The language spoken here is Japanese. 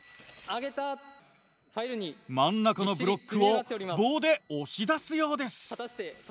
真ん中のブロックを棒で押し出すようです。